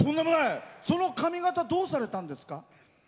その髪形どうされたんですか？